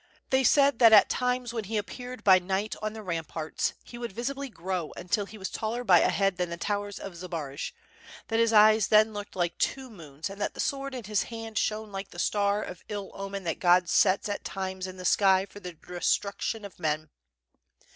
They said that at times when he appeared by night on the ramparts, he would visibly grow until he was taller bv a head than the towers of Zbaraj, that his eyes then looked like two moons and that the sword in his hand shone like that star of ill omen that God sets at times in the sky for the destruction of men.